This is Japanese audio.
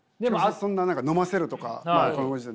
そんな何か飲ませるとかまあこのご時世